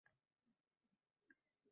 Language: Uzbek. Moliya vaziri: